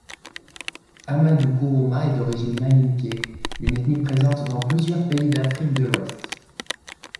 Ahmadou Kourouma est d’origine malinké, une ethnie présente dans plusieurs pays d’Afrique de l'Ouest.